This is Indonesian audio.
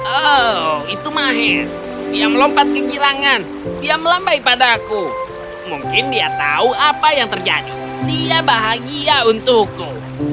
oh itu mahesh dia melompat ke gilangan dia melambai padaku mungkin dia tahu apa yang terjadi dia bahagia untukku